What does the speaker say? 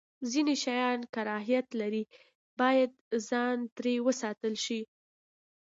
ځینې شیان کراهت لري، باید ځان ترې وساتل شی.